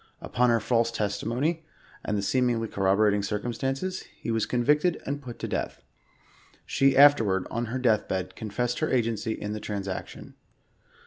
Upon her false testimony and the seemingly corroborating cir cumstances, he was convicted and put to death. She afler * ward, on her death bed, confessed her agency in the trans action.